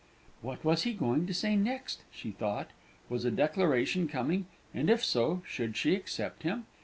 "What was he going to say next?" she thought. Was a declaration coming, and if so, should she accept him?